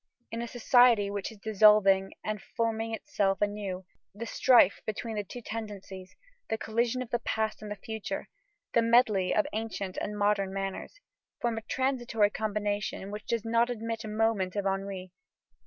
In a society which is dissolving and forming itself anew, the strife between the two tendencies, the collision of the past and the future, the medley of ancient and modern manners, form a transitory combination which does not admit a moment of ennui.